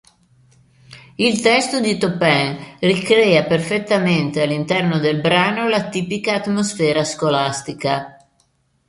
Il testo di Taupin ricrea perfettamente, all'interno del brano, la tipica atmosfera scolastica.